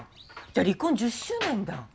じゃあ離婚１０周年だ。